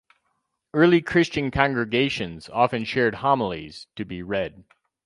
Early Christian congregations often shared homilies to be read.